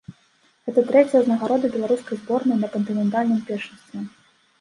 Гэта трэцяя ўзнагарода беларускай зборнай на кантынентальным першынстве.